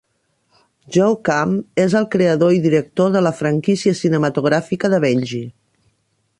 Joe Camp és el creador i director de la franquícia cinematogràfica de Benji.